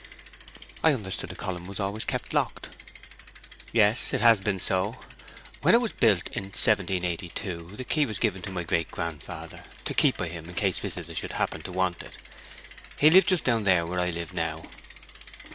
'I understood the column was always kept locked?' 'Yes, it has been so. When it was built, in 1782, the key was given to my great grandfather, to keep by him in case visitors should happen to want it. He lived just down there where I live now.'